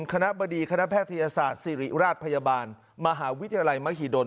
คณะบดีคณะแพทยศาสตร์ศิริราชพยาบาลมหาวิทยาลัยมหิดล